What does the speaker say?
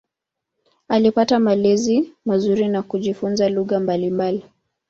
Alipata malezi mazuri na kujifunza lugha mbalimbali.